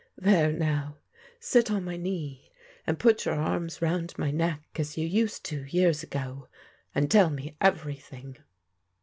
There now, sit on my knee, and put your arms round my neck, as you used to years ago, and tell me everything."